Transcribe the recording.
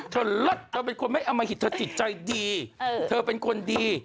เลิศเธอเป็นคนไม่อมหิตเธอจิตใจดีเธอเป็นคนดี